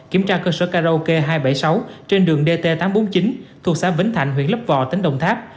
kiểm tra cơ sở karaoke hai trăm bảy mươi sáu trên đường dt tám trăm bốn mươi chín thuộc xã vĩnh thạnh huyện lấp vò tỉnh đồng tháp